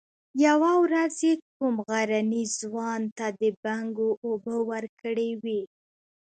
يوه ورځ يې کوم غرني ځوان ته د بنګو اوبه ورکړې وې.